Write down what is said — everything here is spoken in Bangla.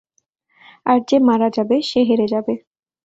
আর যে মারা যাবে, সে হেরে যাবে।